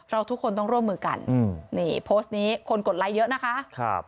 เราทุกคนต้องร่วมมือกันนี่โพสต์นี้คนกดไลค์เยอะนะคะ